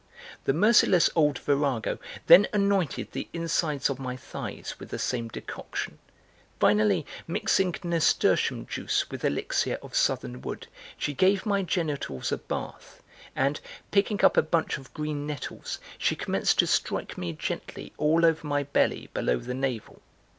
The merciless old virago then anointed the insides of my thighs with the same decoction; finally mixing nasturtium juice with elixir of southern wood, she gave my genitals a bath and, picking up a bunch of green nettles, she commenced to strike me gently all over my belly below the navel.